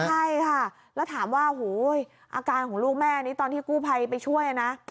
ใช่ค่ะแล้วถามว่าอาการของลูกแม่นี้ตอนที่กู้ภัยไปช่วยนะ